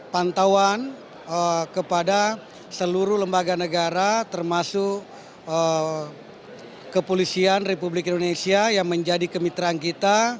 pantauan kepada seluruh lembaga negara termasuk kepolisian republik indonesia yang menjadi kemitraan kita